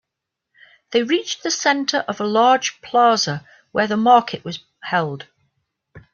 They reached the center of a large plaza where the market was held.